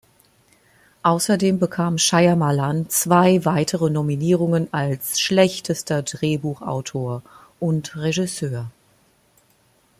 Außerdem bekam Shyamalan zwei weitere Nominierungen als schlechtester Drehbuchautor und Regisseur.